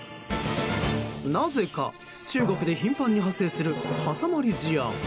なぜか中国で頻繁に発生する挟まり事案。